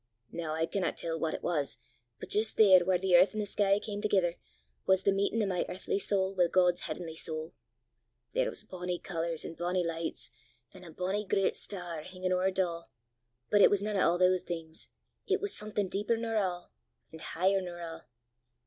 Noo I canna tell what it was, but jist there whaur the earth an' the sky cam thegither, was the meetin' o' my earthly sowl wi' God's h'avenly sowl! There was bonnie colours, an' bonnie lichts, an' a bonnie grit star hingin' ower 't a', but it was nane o' a' thae things; it was something deeper nor a', an' heicher nor a'!